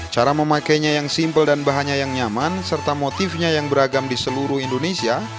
cara memakainya yang simpel dan bahannya yang nyaman serta motifnya yang beragam di seluruh indonesia